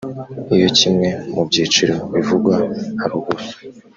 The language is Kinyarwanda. iyo kimwe mu byiciro bivugwa haruguru